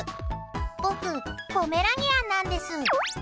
僕、ポメラニアンなんです。